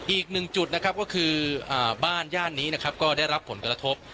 อีกหนึ่งจุดนะครับก็คือบ้านย่านนี้นะครับก็ได้รับผลกระทบ